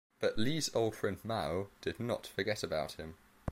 But Li's old friend Mao did not forget about him.